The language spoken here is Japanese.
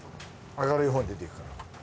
明るいほうに出ていくから。